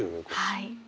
はい。